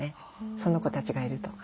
その子たちがいると。